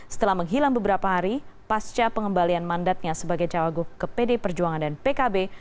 setelah menghilang beberapa hari pasca pengembalian mandatnya sebagai cawagup ke pd perjuangan dan pkb